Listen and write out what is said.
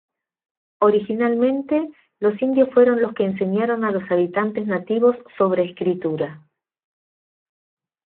Originalmente, los indios fueron los que enseñaron a los habitantes nativos sobre escritura.